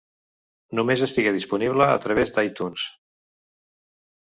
Només estigué disponible a través d'iTunes.